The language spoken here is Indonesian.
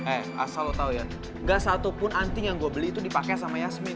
eh asal lo tau ya gak satupun anting yang gue beli itu dipakai sama yasmin